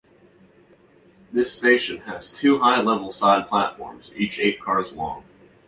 This station has two high-level side platforms each eight cars long.